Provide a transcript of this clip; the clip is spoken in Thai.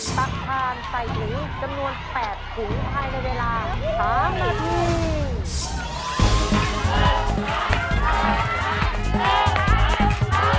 ตัดฟื้นเผาทานใส่หนู